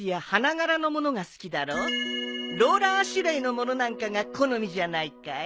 ローラアシュレイのものなんかが好みじゃないかい？